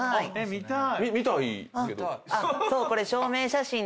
見たーい。